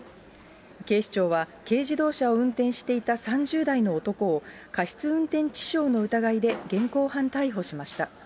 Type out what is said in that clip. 警視庁は軽自動車を運転していた３０代の男を、過失運転致傷の疑いで現行犯逮捕しました。